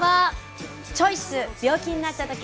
「チョイス＠病気になったとき」